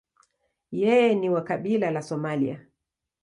Yeye ni wa kabila la Somalia.